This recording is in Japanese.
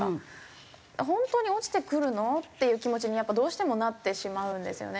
本当に落ちてくるの？っていう気持ちにやっぱどうしてもなってしまうんですよね。